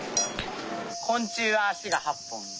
こん虫は足が８本！